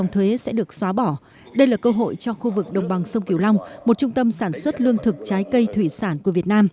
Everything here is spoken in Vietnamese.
thủ tướng nguyễn xuân phúc